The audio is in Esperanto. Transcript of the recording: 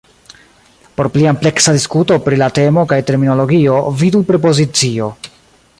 Por pli ampleksa diskuto pri la temo kaj terminologio, vidu "prepozicio".